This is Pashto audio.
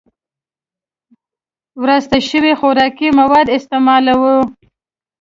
وراسته شوي خوراکي مواد استعمالوي